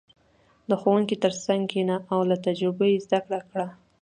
• د ښوونکي تر څنګ کښېنه او له تجربو یې زده کړه.